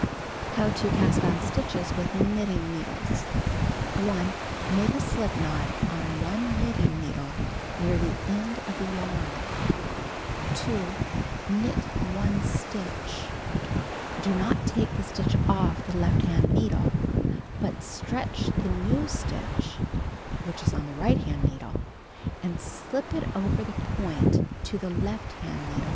HOW TO CAST ON STITCHES WITH KNITTING NEEDLES 1. Make a slip knot on one knitting needle near the end of the varn. 2. Knit 1 stitch. (See page 162, To Knit a Stitch.) Do not take the stitch off the left hand needle, but stn^tch the new stitch (which is on the right hand needle) and slip it over the point of the left hand needle.